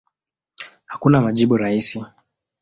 Hakuna majibu rahisi.